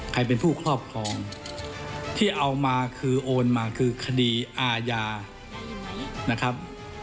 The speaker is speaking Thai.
ใครเป็นผู้ครอบครองที่เอามาคือโอนมาคือคดีอาญานะครับ